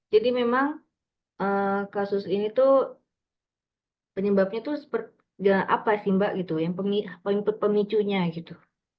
jadi memang kasus ini tuh penyebabnya tuh seperti apa sih mbak yang penyebabnya tuh pemicunya gitu